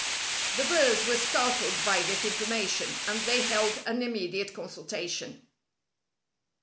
The birds were startled by this information, and they held an immediate consultation.